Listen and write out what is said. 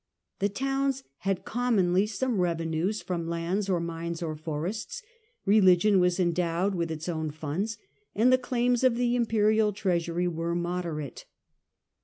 The towns had commonly some revenues from lands or mines or forests ; religion was endowed with its own funds, and the claims of the imperial treasury were moderate.